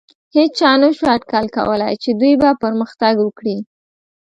هېچا نهشو اټکل کولی، چې دوی به پرمختګ وکړي.